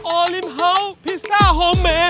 โอริมเฮาส์พิซซ่าฮอมเมฆ